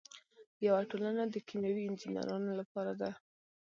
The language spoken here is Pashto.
یوه ټولنه د کیمیاوي انجینرانو لپاره ده.